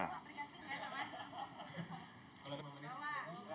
dan berikutnya perusahaan yang terlihat lebih banyak